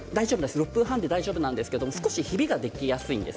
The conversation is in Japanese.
６分半で大丈夫なんですが少しひびができやすいんです。